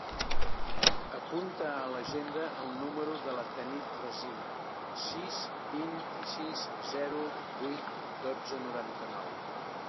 Apunta a l'agenda el número de la Tanit Resina: sis, vint-i-sis, zero, vuit, dotze, noranta-nou.